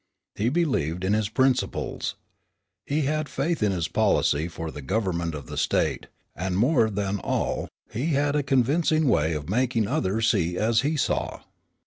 He believed in his principles. He had faith in his policy for the government of the State, and, more than all, he had a convincing way of making others see as he saw.